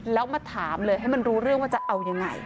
แล้วมาถามเลยให้มันรู้เรื่องว่าจะเอายังไง